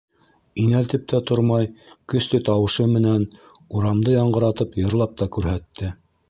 Инәлтеп тә тормай, көслө тауышы менән урамды яңғыратып йырлап та күрһәтте.